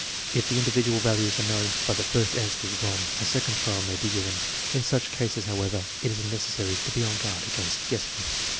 If the individual values are known, but the first answer is wrong, a second trial may be given. In such cases, however, it is necessary to be on guard against guessing.